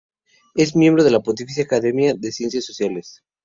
Es miembro de la Pontificia Academia de Ciencias Sociales.